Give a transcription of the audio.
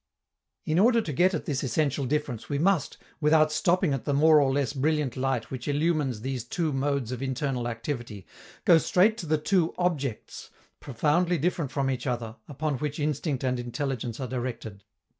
In order to get at this essential difference we must, without stopping at the more or less brilliant light which illumines these two modes of internal activity, go straight to the two objects, profoundly different from each other, upon which instinct and intelligence are directed.